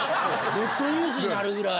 ネットニュースになるぐらい。